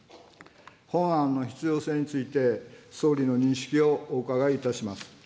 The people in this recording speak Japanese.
本案の必要性について、総理の認識をお伺いいたします。